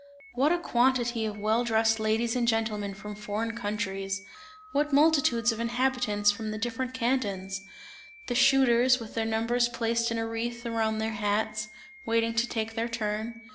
What a quantity of well dressed ladies and gentlemen from foreign countries! What multitudes of inhabitants from the different cantons! The shooters, with their numbers placed in a wreath around their hats, waiting to take their turn.